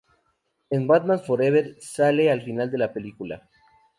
En "Batman Forever", sale al final de la película.